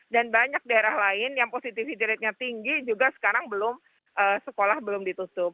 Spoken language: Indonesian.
dan banyak daerah lain yang positivity ratenya tinggi juga sekarang belum sekolah belum ditutup